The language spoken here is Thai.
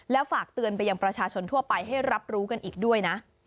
แล้วฝากเตือนไปยังประชาชนทั่วไปให้รับรู้กันอีกด้วยนะ